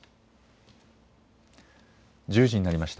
１０時になりました。